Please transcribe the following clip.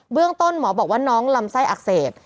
เรื่องต้นหมอบอกว่าน้องลำไส้อักเสบ